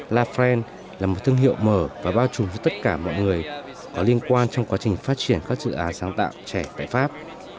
la fren là một thương hiệu mở và bao trùm với tất cả mọi người có liên quan trong quá trình phát triển các dự án sáng tạo trẻ tại pháp